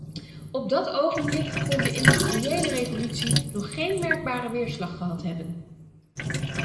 Op dat ogenblik kon de industriële revolutie nog geen merkbare weerslag gehad hebben.